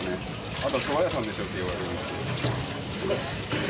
あなた、そば屋さんでしょって言われるんです。